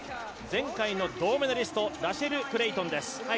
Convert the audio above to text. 前回の銅メダリスト、ラシェル・クレイトンです。